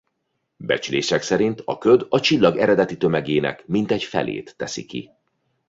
Becslések szerint a köd a csillag eredeti tömegének mintegy felét teszi ki.